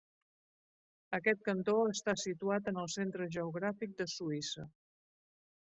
Aquest cantó està situat en el centre geogràfic de Suïssa.